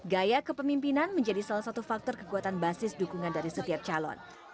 gaya kepemimpinan menjadi salah satu faktor kekuatan basis dukungan dari setiap calon